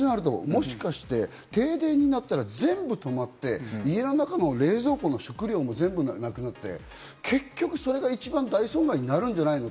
もしかして停電になったら全部止まって、家の中の冷蔵庫の食料も全部なくなって、結局それが一番大損害になるんじゃないの？